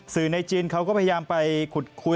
สื่อในจีนเขาก็พยายามไปคุย